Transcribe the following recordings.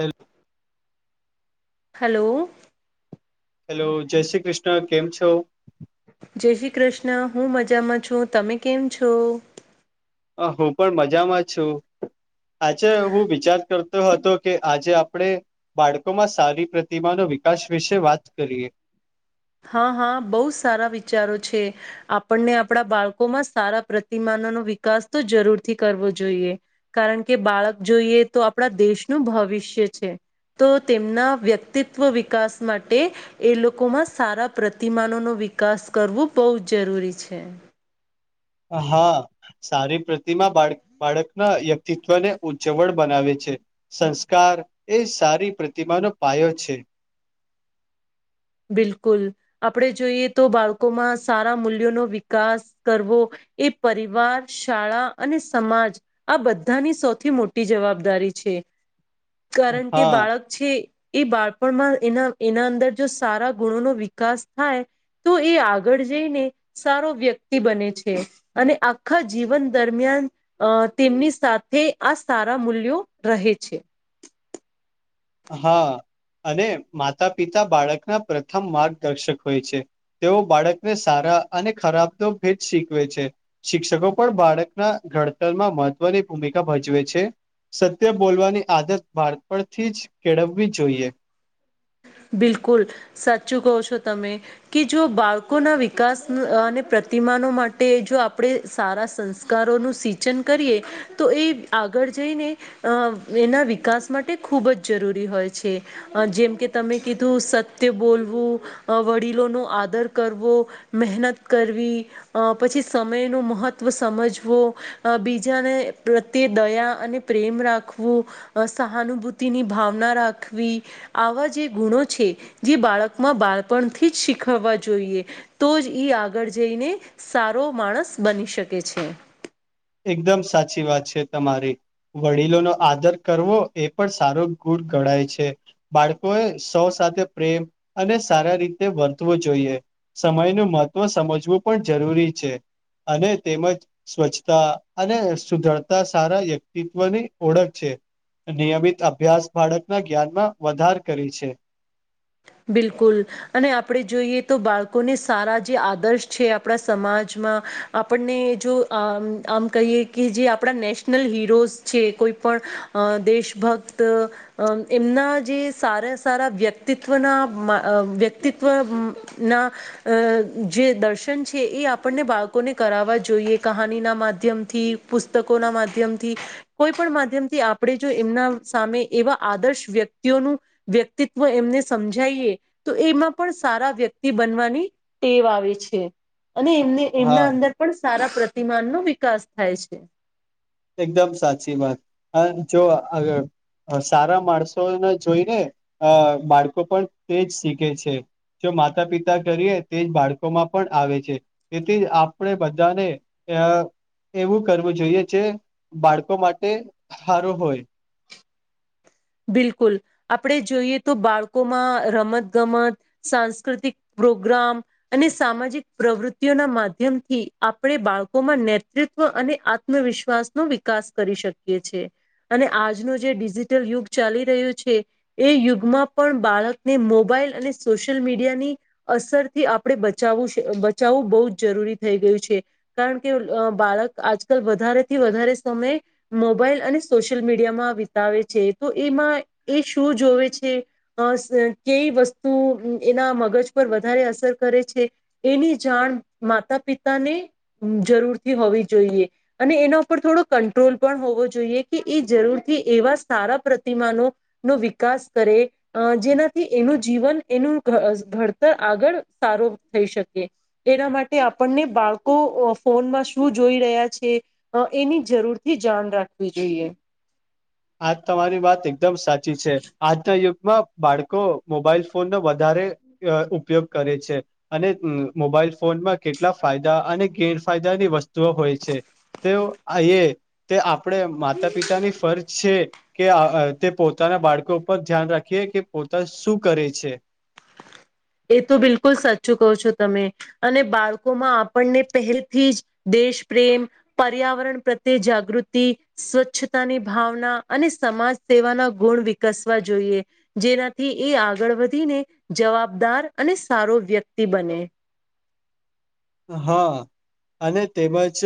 હેલ hello. Hello જય શ્રી કૃષ્ણ કેમ છો. જય શ્રી કૃષ્ણ હું મજામાં છું તમે કેમ છો. હ હું પણ મજામાં છું. આજે હું વિચાર કરતો હતો કે આજે આપણે બાળકોમાં સારી પ્રતિમાનો વિકાસ વિશે વાત કરીએ હા હા બહુ સારા વિચારો છે આપણને આપણા બાળકોમાં સારા પ્રતિમાનો વિકાસ તો જરૂર થી કરવો જોઈએ કારણ કે બાળક જોઈએ તો આપણા દેશનું ભ ભવિષ્ય છે તો તેમના વ્યક્તિત્વ વિકાસ માટે એ લોકોમાં સારા પ્રતિમાનોનો વિકાસ કરવો બહુ જ જરૂરી છે હા સારી પ્રતિમા બાળ બાળકના વ્યક્તિત્વ ને ઉ્જવળ બનાવે છે સંસ્કાર એ સારી પ્રતિમાનો પાયો છે બિલકુલ આપણે જોઈએ તો બાળકોમાં સારા મૂલ્યોનો વિકાસ કરવો એ પરિવાર શાળા અને સમાજ આ બધાની સૌથી મોટી જવાબદારી છે કારણ કે હા બાળક છે એ બાળપણમાં એના એના અંદર જો સારા ગુણો નો વિકાસ થાય તો એ આગળ જઈને સારો વ્યક્તિ બને છે અને આખા જીવન દરમિયાન તેમની સાથે આ સારા મૂલ્યો રહે છે હા અને માતા પિતા બાળકના પ્રથમ માર્ગદર્શક હોય છે તેઓ બાળકને સારા અને ખરાબ તો ભેદ શીખવે છે શિક્ષકો પણ બાળકના ઘડતરમાં મહત્વની ભૂમિકા ભજવે છે સત્ય બોલવાની આદત બાળપણ થી જ કેળવવી જોઈએ બિલકુલ સાચું કહો છો તમે કે જો બાળકોના વિકાસ અને પ્રતિમાનો માટે જો આપણે સારા સંસ્કારોનું સિંચન કરીએ તો એ આગળ જઈને એના વિકાસ માટે ખૂબ જ જરૂરી હોય છે જેમ કે તમે કીધું સત્ય બોલવું વડીલોનોો આદર કરવો મહેનત કરવી પછી સમય નું મહત્વ સમજવો બીજાને પ્રત્યે દ અને પ્રેમ રાખવો સહાનુભૂતિની ભાવના રાખવી આવા જે ગુણો છે જે બાળકમાં બાળપણથી જ શીખવવા જોઈએ તો જ આગળ જઈ ને સારો માણસ બની શકે છે એકદમ સાચી વાત છે તમારી વડીલોનોો આદર કરવો એ પણ સારો ગુ ગણાય છે બાળકો એ સૌ સાથે પ્રેમ અને સારા રીતે વર્તવો જોઈએ સમય ન મહત્વ સમજવું પણ જરૂરી છે અને તેમજ સ્વચછ અને સુધરતા સારા વ્યક્તિત્વ ની ઓળખ છે નિયમિત અભ્યાસ બાળકના જ્ઞાનમાં વધાર કરી છે બિલકુલ અને આપણે જોઈએ તો બાળકોને સારા જે આદર્શ છે આપણા સમાજમાં આપને જો આમ કહીએ કે જે આપણા નેશનલ હીરોઝ છે કોઈ દેશભક્ત એમના જે સારા સારા વ્યક્તિત્વ વ્યક્તિત્વ ના જે દર્શન છે એ આપ આપને બાળકોને કરાવવા જોઈએ કહાનીના માધ્યમથી પુસ્તકોના માધ્યમથી કોઈ પણ માધ્યમથી આપણે જો એમના સામે એવા આદર્શ વ્યક્તિઓનું વ્યક્તિત્વ એમને સમજાયએ તો એમાં પણ સારા વ્યક્તિ બનવાની ટેવ આવે છે અને એમને હા એમના અંદર પણ સારા પ્રતિમાનનો વિકાસ થાય છે. એકદમ સાચી વાત હ જો આગળ. સારા માણસો ના જોઈને અ બાળકો પણ તેજ શીખે છે. જો માતા પિતા કરીએ તેજ બાળકો માં પણ આવે છે તેથી જ આપણે બધાને અ એવું કરવું જોઈએ જે બાળકો માટે સારો હોય. બિલકુલ આપણેે જોઈએ તો બાળકોમાં રમત ગમત સાંસ્કૃતિક પ્રોગ્રામ અને સામાજિક પ્રવૃત્તિઓના માધ્યમથી આપણે બાળકોમાં નેતૃત્વ અને આત્મવિશ્વાસ નો વિકાસ કરી શકીએ છી. અને આજનો જે ડિજિટલ યુગ ચાલી રહ્યું છે એ યુગમાં પણ બાળકને મોબાઈલ અને સોશિયલ મીડિયાની અસરથી આપણે બચાવું બચાવવું બહુ જ જરૂરી થઈ ગયું છે કારણ કે બાળક આજકાલ વધારે થી વધારે સમય મોબાઈલ અને સોશિયલ મીડિયામાં વિતાવે છે. તો એમાં એ શું જોવે છે કઈ વસ્તુ એના મગજ પર વધારે અસર કરે છે એની જાણ માતા પિતાને જરૂરથી હોવી અને એના ઉપર થોડો કંટ્રોલ પણ હોવો જોઈએ કે એ જરૂરથી એવા સારા પ્રતિમાનો નો વિકાસ કરે જેનાથી એનું જીવન એનું ઘડતર આગળ સારો થઈ શકે એના માટે આપણને બાળકો ફોનમાં શું જો જોઈ રહ્યા છે એની જરૂરથી જાણ રાખવી જોઈએ. આજ તમારી વાત એકદમ સાચી છે. આજ ના યુગમાં બાળકો મોબાઈલ ફોનનો વધારે ઉપયોગ કરે છે અને મોબાઈલ ફોનમાં કેટલા ફાયદા અને ગેરફાયદાની વસ્તુઓ હોય છે. તે આ તે આપણે માતા પિતાની ફરજ છે કે તે પોતાના બાળકો ઉપર ધ્યાન રાખીએ કે પોતા શું કરે છે. [inaudible] એ તો બિલકુલ સાચું કહો છો તમે અને બાળકોમાં આપણને પહેલથી જ દેશ પ્રેમ, પર્યાવરણ પ્રત્યે જાગૃતિ, સ્વચ્છતાની ભાવના અને સમાજ સ સેવાના ગુણ વિકસવા જોઈએ જેનાથી એ આગળ વધીને જવાબ જવાબદાર અને સારો વ્યક્તિ બને. હા અને તેમજ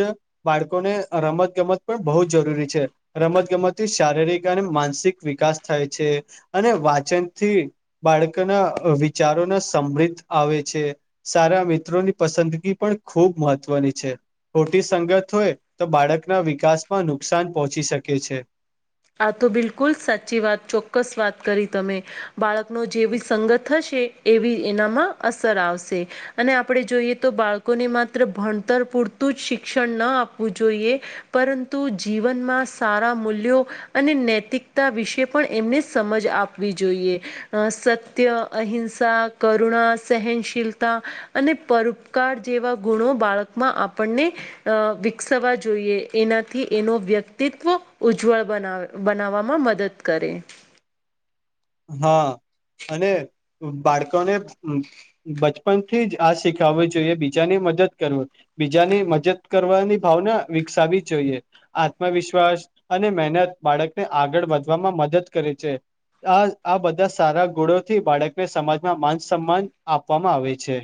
બાળકોને રમત ગમત પણ બહુ જ જરૂરી છે રમતગમતથી શારીરિક અને માનસિક વિકાસ થાય છે. અને વાચનથી બાળકોના વિચારો ના સમૃદ્ધ આવે છે. સારા મિત્રોની પસંદી પણ ખૂબ મહત્વની છે. ખોટી સંગત હોય તો બાળકના વિકાસમાં નુકસાન પહોંચી શકે છે. આ તો બિલકુલ સાચી વાત ચોક્કસ વાત કરી તમે બાળકનો જેવી સંગત હશે. એવી એનામાં અસર આવશે અને આપણે જોઈએ તો બાળકોને માત્ર ભણતર પૂરતું જ શિક્ષણ ના આપવું જોઈએ પરંતુ જીવનમાં સારા મૂલ્યો અને નૈતિકતા વિષે એમને સમજ આવી જોઈએ અ સત્ય હહી શા કરુણા સહનશીલતા અને પરોપકાર જેવા ગુણો બાળકમાં આપ આપણને વિકસવા જોઈએ એનાથી એનો વ્યક્તિત્વ ઉજ્જવળ બનાવે. બનાવવામાં મદદ કરે. હા અને બાળકોને બચપનથી જ આ શીખાવવું જોઈએ બીજાની મદદ કરવી બીજાની મદદ કરવાની ભા વિકસાવી જોઈએ આત્મવિશ્વાસ અને મહેનત બાળકને આગળ વધવામાં મદદ મદદ કરે છે. આ આ બધા સારા ગુણોથી બાળકને સમાજમાં માન સન્માન આપવામાં આવે છે.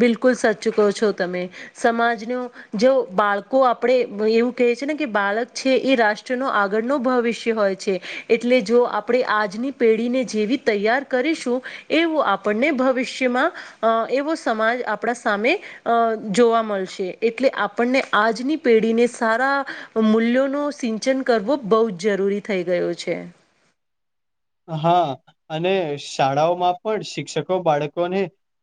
બિલકુલ સચ ચૂકો છો તમે સમાજ ન જો બાળકો આપણેે એવું કે છે ને બાળક છે એ રાષ્ટનો આગળ નો ભવિષ્ય હોય છે એટલે જો આપણી આજની પેઢીને જેવી તૈયાર કરીશું એવુ આપણે ભવિષ્યમાં એવો સમાજ આપણા સામે અ જોવા મળ છે એટલે આપણે આજ ની પેઠી ને સારા- મૂલ્યો ન સિંચન કરવો બહુ જ જરૂરી થઈ ગયો છે. હા અને શાળાઓમાં પણ શિક્ષકો બાળકોને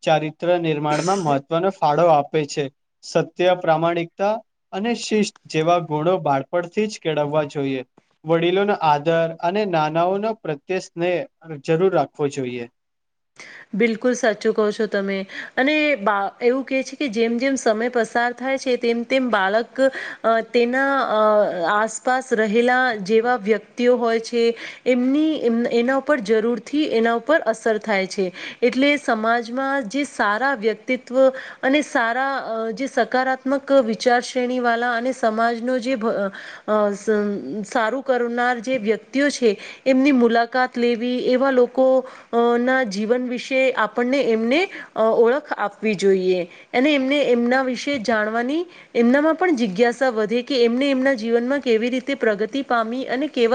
ચારી નિર્માણમાં મહત્વનો ફાળો આપ. સત્ય પ્રામાણિકતા અને શિષ જેવા ગુણો બાળપણથી જ કેળવ જોઈ વડીલોના આદર અને નાનાઓના તે સ્નેહ જરૂર રાખવો જોઈએ. બિલકુલ સાચું કહ છો તમે અને બા એવું કે છે કે જેમ જેમ સમય પસાર થાય તેમ બાળક તેના આસપાસ રહેલા જેવા વ્યક્તિઓ હોય છે એમની એ એના ઉપર જરૂરથી એના ઉપર અસર થાય છે. એટલે સમાજમાં જે સારા વ્યક્તિત્વ અને સારા જે સકારાત્ વિચાર શ્રેણી વાલા અને સમાજ નું જે સારું કર ના જે વ્યક્તિઓ છે એમની મુલાકાત લેવી એવા લોકો ના જીવન વિશે આપણને એમને ઓળખ આપવી જોઈએ અને એમને એમના વિશે જાણવાની એમનામાં પણ જિજ્ઞાસા વધે કે એમને એમના જીવનમાં કેવી રીતે પ્રગતિ પામ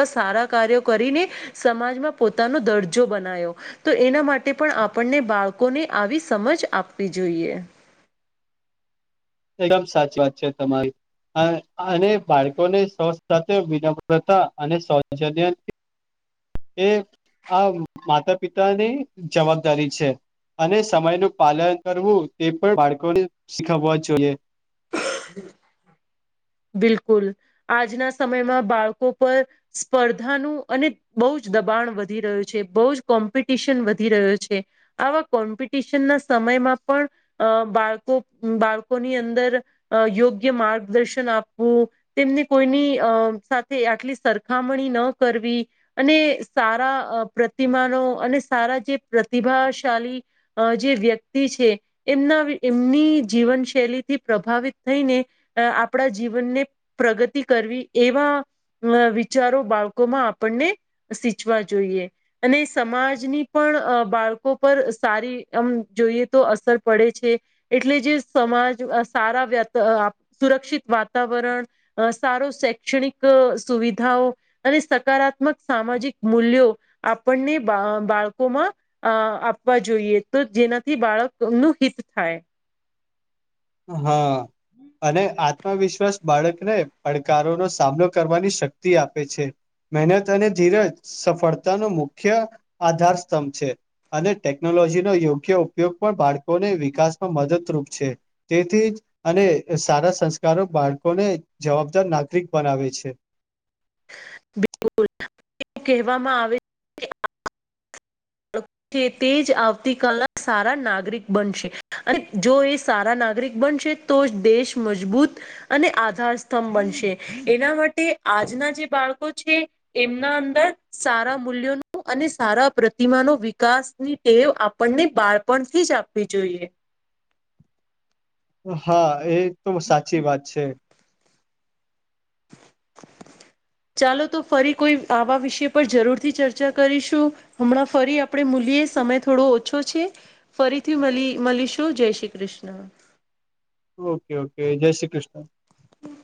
વા સારા કાર્યો કરીને સમાજમાં પોતાનો દરજો બના એના માટે પણ આપણને બાળકોને આવી સમજ આપવી જોઈએ એકદમ સાચી વાત છે તમારી અને બાળકોને સાથે વિનમ્રતા અને સૌજન્ય એ આ માતા પિતાની જવાબદારી છે અને સમય ન પાલન કરવું તે પણ બાળકોને શીખવવા જોઈએ [unintelligible] [inaudible] બિલકુલ આજના સમયમાં બાળકો પર સ્પર્ધાનું અને બહુ જ દબા વધી રહ્યું છે બહ જ કોમ્પિટિશન વધી રહ્યો છે આવા કોમ્પિટિશન ના સમયમાં પણ બાળકો બાળકોની અંદર અ યોગ્ય માર્ગદર્શન આપવું તેમને કોઈની અ સાથે આટલી સરખામ ન કરવી અને સારા પ્રતિમાનો અને સારા જે પ્રતિભા જે વ્યક્તિ છે એમના એમની જીવન શૈલીથી પ્રભાવિત થઈને આપણા જીવનને પ્રગતિ કરવી એવા વિચારો બાળકોમાં આપણને સીચવા જોઈએ અને સમાજની પણ બા બાળકો પર સારી આમ જોઈએ તો અસર પડે છે એટલે જે સમાજ સારા વ સુરક્ષિત વાતાવરણ સારો શૈક્ષણિક સુવિધા અને સકારાત્મક સામાજિક મૂલ્યો આપણને બાળકોમાં આપવા જોઈએ તો જેનાથી બાળકનુંનુ હિત થાય હા અને આ આત્મવિશ્વાસ બાળકને પડકારોનોો સામનો કરવાની શક્તિ આપે છે મહેનત અને ધીરજ સફળતાનો મુખ્ય આધાર સ્તંભ છે અને ટેકનોલોજીનો યોગ્ય ઉપયોગ પણ બાળકોને વિકાસમાં મદદરૂપ છે તેથી જ અને સારા સંસ્કારો બાળકોને જવાબદાર નાગરિક બનાવે છે [inaudible] બિલકુલ એ કહેવામાં આવે છે તે જ આવતી કલના સારા નાગરિક બનશે અને જો એ સારા નાગરિક બનશે તો જ દેશ મજબૂત અને આધાર સ્તંભ બનશે એના માટે આજના જે બાળકો છે એમના અંદર સારા મૂલ્યોનું અને સારા પ્ર પ્રતિમાનો વિકાસની ટેવ આપણને બાળપણથી જ આપવી જોઈએ હા એ તો સાચી વાત છે [inaudible] ચાલો તો ફરી કોઈ આવા વિષય પર જરૂર થી ચર્ચા કરીશું હમણાં ફરી આપણે મૂલીય સમય થોડો ઓછો છે ફરીથી મળીશું જય શ્રી કૃષ્ણ ઓકે ઓકે જય શ્રી કૃષ્ણ હમ